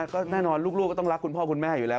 ก็แน่นอนลูกก็ต้องรักคุณพ่อคุณแม่อยู่แล้ว